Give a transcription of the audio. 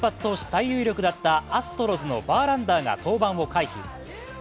最有力だったアストロズのバーランダーが登板を回避。